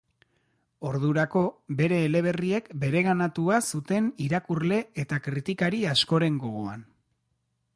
Ordurako, bere eleberriek bereganatua zuten irakurle eta kritikari askoren gogoan.